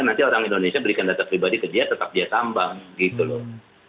nanti orang indonesia berikan data pribadi ke dia tetap dia tambang gitu loh